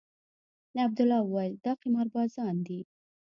عبدالله وويل دا قمار بازان دي.